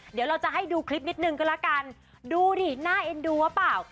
เดี๋ยวเราจะให้ดูคลิปนิดนึงก็แล้วกันดูดิน่าเอ็นดูหรือเปล่า